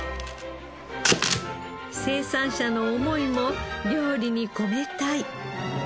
生産者の思いも料理に込めたい。